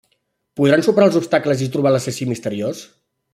Podran superar els obstacles i trobar l'assassí misteriós?